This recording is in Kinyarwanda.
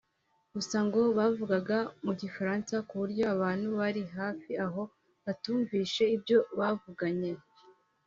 gusa ngo bavugaga mu Gifaransa ku buryo abantu bari hafi aho batumvise ibyo bavuganye